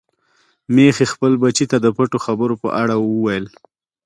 ميښې خپل بچي ته د پټو خبرو په اړه ویل.